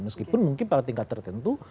meskipun mungkin pada tingkat tertentu